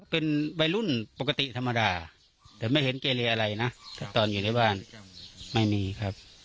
เป็นวัยรุ่นปกติธรรมดาแต่ไม่เห็นเกเลอะไรนะตอนอยู่ในบ้านไม่มีครับ